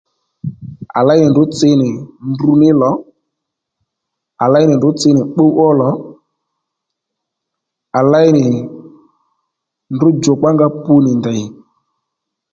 À léy nì ndrǔ tsi nì ndruní lò à léy nì ndrǔ tsi nì pbúw ó lò à léy nì ndrǔ djùkpa ónga pu nì ndèy